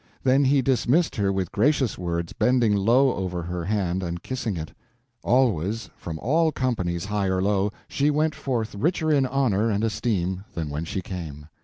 Then he dismissed her with gracious words, bending low over her hand and kissing it. Always—from all companies, high or low—she went forth richer in honor and esteem than when she came.